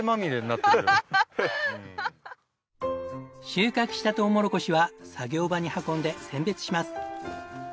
収穫したとうもろこしは作業場に運んで選別します。